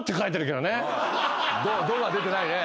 「ド」が出てないね。